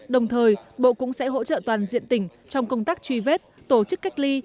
đồng thời bộ cũng sẽ hỗ trợ toàn diện tỉnh trong công tác truy vết tổ chức cách ly